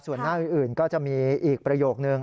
ส่วนหน้าอื่นก็จะมีอีกประโยคนึง